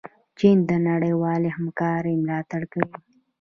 چین د نړیوالې همکارۍ ملاتړ کوي.